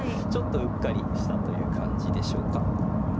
ちょっとうっかりしたという感じでしょうか。